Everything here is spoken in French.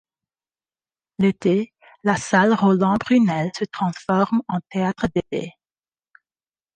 L'été, la Salle Rolland Brunelle se transforme en théâtre d'été.